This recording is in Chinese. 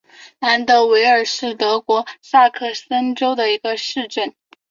兰德韦尔是德国下萨克森州的一个市镇。